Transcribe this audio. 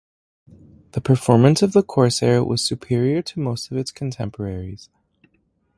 The performance of the Corsair was superior to most of its contemporaries.